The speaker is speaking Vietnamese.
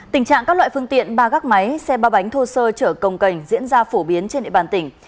tình trạng các loại phương tiện ba gác máy xe ba bánh thô sơ chở công cành diễn ra phổ biến trên địa bàn tỉnh